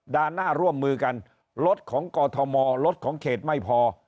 หน้าร่วมมือกันรถของกอทมรถของเขตไม่พอ